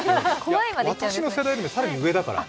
私の世代よりも更に上だから。